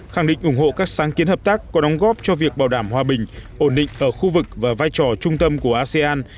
khẳng định ủng hộ các sáng kiến hợp tác có đóng góp cho việc bảo đảm hòa bình ổn định ở khu vực và vai trò trung tâm của asean